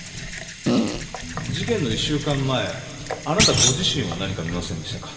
事件の１週間前あなたご自身は何か見ませんでしたか？